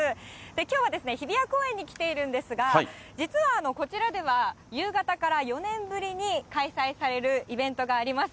きょうは日比谷公園に来ているんですが、実はこちらでは、夕方から４年ぶりに開催されるイベントがあります。